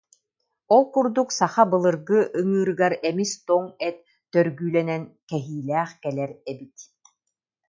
Ол курдук саха былыргы ыҥыырыгар эмис тоҥ эт төргүүлэнэн кэһиилээх кэлэр эбит